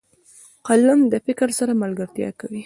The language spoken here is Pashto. قلم له فکر سره ملګرتیا کوي